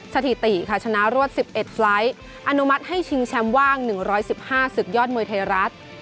สถิติค่ะชนะรวด๑๑ไฟล์ทอนุมัติให้ชิงแชมป์ว่าง๑๑๕ศึกยอดมวยไทยรัฐ